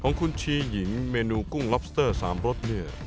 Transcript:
ของคุณชีหญิงเมนูกุ้งล็อบสเตอร์๓รสเนี่ย